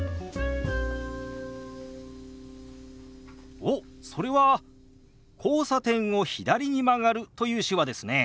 おっそれは「交差点を左に曲がる」という手話ですね。